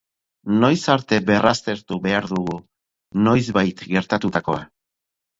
Noiz arte berraztertu behar dugu noizbait gertatutakoa?